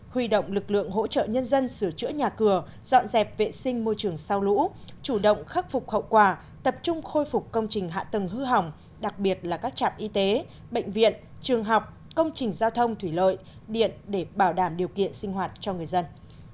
huy động lực lượng hỗ trợ nhân dân sửa chữa nhà cửa dọn dẹp vệ sinh môi trường sau lũ chủ động khắc phục hậu quả tập trung khôi phục công trình hạ tầng hư hỏng đặc biệt là các trạm y tế bệnh viện trường học công trình giao thông thủy lợi điện để bảo đảm điều kiện sinh hoạt cho người dân